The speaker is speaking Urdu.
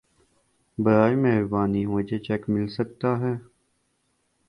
براہ مہربانی مجهے چیک مل سکتا ہے